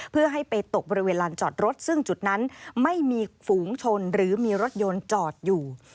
เพื่อให้ไปตกบริเวณลานจอดรถซึ่งจุดนั้นไม่มีฝูงชนหรือมีรถยนต์จอดอยู่